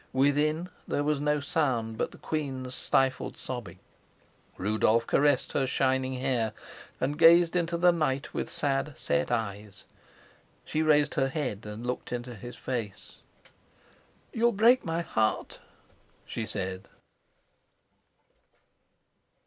Within there was no sound but the queen's stifled sobbing. Rudolf caressed her shining hair and gazed into the night with sad, set eyes. She raised her head and looked into his face. "You'll break my heart," she said.